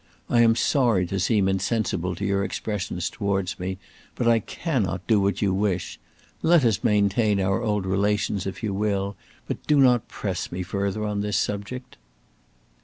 I am sorry to seem insensible to your expressions towards me, but I cannot do what you wish. Let us maintain our old relations if you will, but do not press me further on this subject."